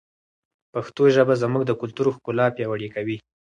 پښتو ژبه زموږ د کلتور ښکلا پیاوړې کوي.